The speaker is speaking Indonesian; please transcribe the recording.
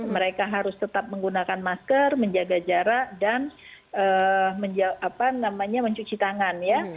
mereka harus tetap menggunakan masker menjaga jarak dan mencuci tangan ya